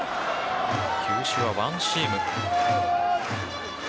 球種はワンシーム。